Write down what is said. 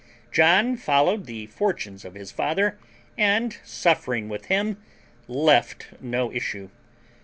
John followed the fortunes of his father, and, suffering with him, left no issue.